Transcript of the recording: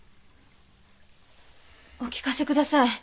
お聞かせ下さい。